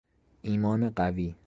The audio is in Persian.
ایمان قوی